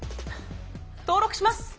登録します。